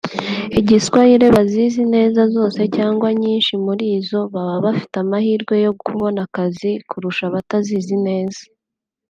Igiswahili (bazizi neza zose cyangwa nyinshi muri izo) baba bafite amahirwe yo kubona akazi kurusha abatazizi neza